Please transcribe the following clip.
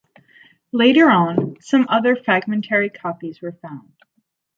Later on, some other fragmentary copies were found.